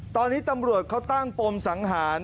ตอนนี้ตำรวจเขาตั้งปมสังหาร